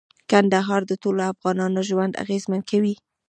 کندهار د ټولو افغانانو ژوند اغېزمن کوي.